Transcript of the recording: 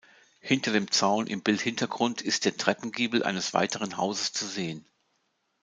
Hinter dem Zaun im Bildhintergrund ist der Treppengiebel eines weiteren Hauses zu sehen.